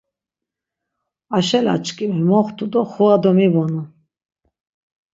Aşelaçkimi moxtu do xura domibonu.